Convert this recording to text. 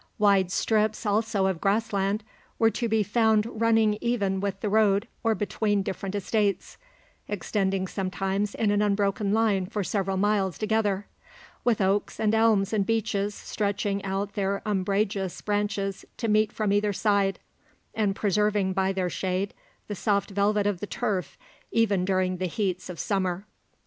Wide strips also of grass land were to be found running even with the road or between different estates, extending sometimes in an unbroken line for several miles together, with oaks and elms and beeches stretching out their umbrageous branches to meet from either side, and preserving by their shade the soft velvet of the turf even during the heats of summer.